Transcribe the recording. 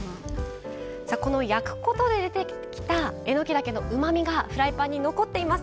この焼くことで出てきたえのきだけのうまみがフライパンに残っています。